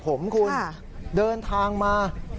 ผมคุณเดินทางมา